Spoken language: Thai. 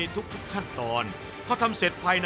ซุปไก่เมื่อผ่านการต้มก็จะเข้มขึ้น